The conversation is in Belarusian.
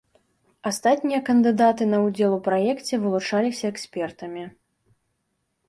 Астатнія кандыдаты на ўдзел у праекце вылучаліся экспертамі.